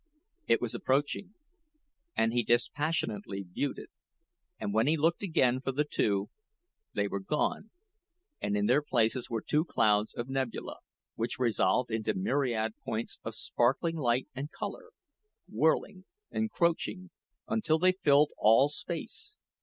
It was approaching, and he dispassionately viewed it; and when he looked again for the two, they were gone, and in their places were two clouds of nebula, which resolved into myriad points of sparkling light and color whirling, encroaching, until they filled all space.